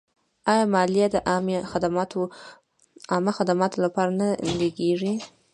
آیا مالیه د عامه خدماتو لپاره نه لګیږي؟